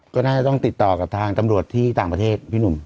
ก็น่าจะต้องติดต่อกับทางตำรวจที่ต่างประเทศพี่หนุ่ม